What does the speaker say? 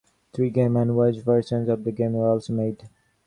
Three Game and Watch versions of the game were also made.